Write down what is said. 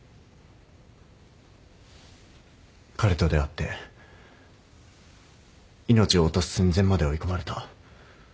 彼と出会って命を落とす寸前まで追い込まれた。